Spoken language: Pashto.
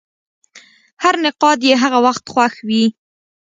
هر نقاد یې هغه وخت خوښ وي.